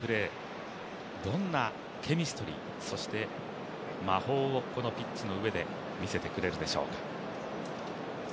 ３人がどんなプレー、どんなケミストリー、そして魔法をこのピッチの上で見せてくれるでしょうか。